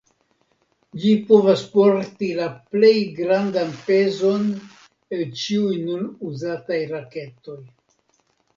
Ĝi povas porti la plej grandan pezon el ĉiuj nun uzataj raketoj.